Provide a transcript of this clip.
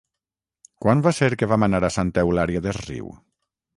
Quan va ser que vam anar a Santa Eulària des Riu?